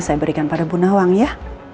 saya berikan pada bu nawang ya